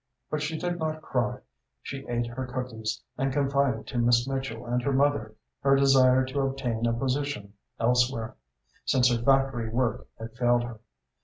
But she did not cry; she ate her cookies, and confided to Miss Mitchell and her mother her desire to obtain a position elsewhere, since her factory work had failed her.